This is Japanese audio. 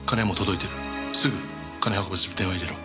すぐ金を運ばせる電話を入れろ。